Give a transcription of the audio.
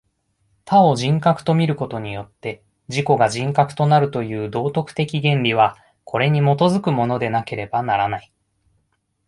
他を人格と見ることによって自己が人格となるという道徳的原理は、これに基づくものでなければならない。